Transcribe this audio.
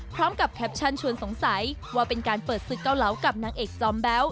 แคปชั่นชวนสงสัยว่าเป็นการเปิดศึกเกาเหลากับนางเอกจอมแบ๊ว